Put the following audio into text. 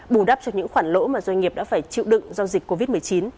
bù đắp cho những khoản lỗ mà doanh nghiệp đã phải chịu đựng do dịch covid một mươi chín